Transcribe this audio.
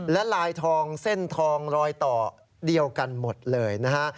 และลายทองเส้นทองรอยต่อเดียวกันหมดเลยนะฮะ